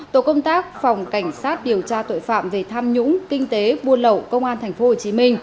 tổ công tác phòng cảnh sát điều tra tội phạm về tham nhũng kinh tế buôn lậu công an tp hcm